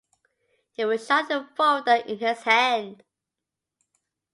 He was shot with a folder in his hand.